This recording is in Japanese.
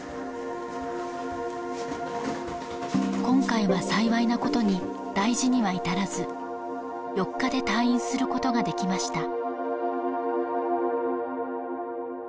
今回は幸いなことに大事には至らず４日で退院することができました